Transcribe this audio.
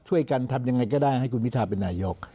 ช่วยกันทำยังไงก็ได้ให้คุณพิทาเป็นนายก